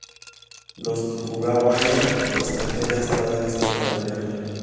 Los Tokugawa y los Takeda estaban listos para la guerra.